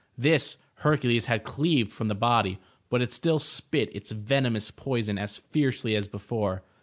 This Hercules had cleaved 'from the body, but it still spit its venomous poison as fiercely as before.